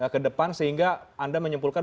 ke depan sehingga anda menyimpulkan